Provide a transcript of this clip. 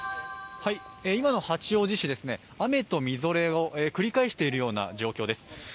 今の八王子市、雨とみぞれを繰り返しているような状況です。